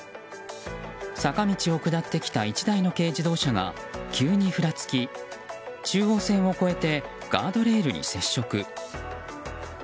坂道を下ってきた１台の軽自動車が急にふらつき中央線を越えてガードレールに接触。